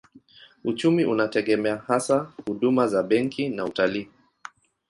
Uchumi unategemea hasa huduma za benki na utalii.